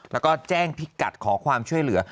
แล้วก็แจ้งพิกัดขอความช่วยเหลือ